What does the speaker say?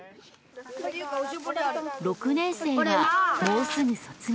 ６年生はもうすぐ卒業。